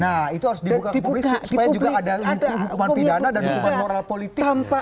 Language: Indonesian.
nah itu harus dibuka ke publik supaya juga ada hukuman pidana dan hukuman moral politik